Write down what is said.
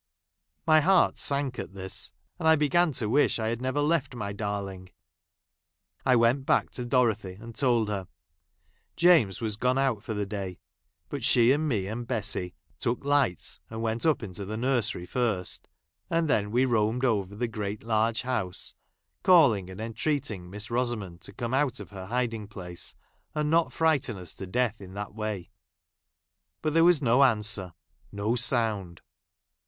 My heart sank at this, and I began to wish I had never left my darling. I went back to Dorothy and told her. James was gone out for the day, but she and me and Bessy took lights, and went up into the nursery first and then we roamed over the great large house, calling and entreating Miss Rosamond to come out of her hiding place, and not frighten us to death in that way. But there was no answer ; no sound.